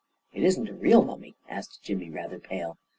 " It isn't a real mummy? " asked Jimmy, rather pale.